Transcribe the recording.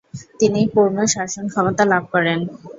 তিনি পূর্ণ শাসনক্ষমতা লাভ করেন।